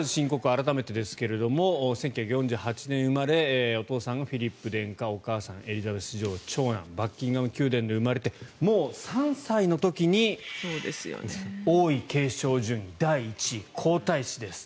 改めてですが１９４８年生まれお父さんがフィリップ殿下お母さん、エリザベス女王の長男バッキンガム宮殿で生まれてもう３歳の時に王位継承順位第１位皇太子です。